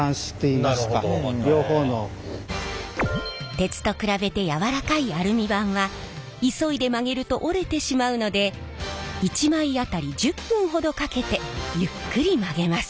鉄と比べて柔らかいアルミ板は急いで曲げると折れてしまうので１枚当たり１０分ほどかけてゆっくり曲げます。